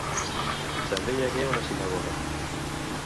També hi hagué una sinagoga.